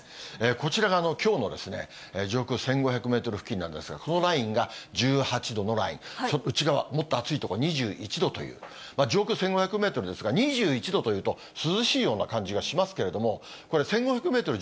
こちらがきょうの上空１５００メートル付近なんですが、このラインが１８度のライン、内側、もっと暑いとこ、２１度という、上空１５００メートルですが、２１度というと、涼しいような感じがしますけれども、これ、１５００メートル